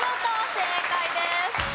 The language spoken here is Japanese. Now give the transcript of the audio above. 正解です。